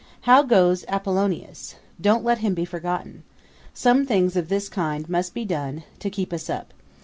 How goes Apollonius? Don't let him be forgotten. Some things of this kind must be done, to keep us up.